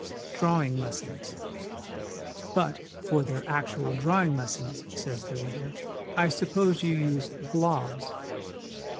Drawing Lessons. But 'for their actual draw ing lessons/ says the reader, ' I suppose you use " blobs